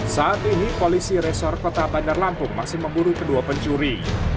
saat ini polisi resor kota bandar lampung masih memburu kedua pencuri